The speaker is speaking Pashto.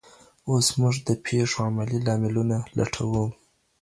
اوس موږ د پیښو علمي لاملونه لټوو.